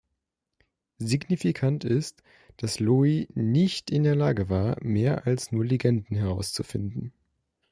Signifikant ist, dass Lowie nicht in der Lage war, mehr als nur Legenden herauszufinden.